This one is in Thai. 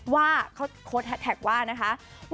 ว่าเขาโค้ดแฮสแท็กว่านะคะ